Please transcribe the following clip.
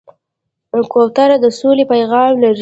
کوتره د سولې پیغام لري.